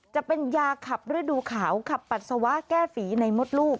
จะเป็นยาขับฤดูขาวขับปัสสาวะแก้ฝีในมดลูก